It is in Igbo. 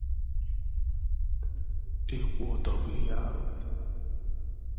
Ịkwụ ụdọ bụ ihe arụ